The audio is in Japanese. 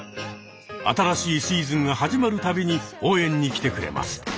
新しいシーズンが始まる度に応援に来てくれます。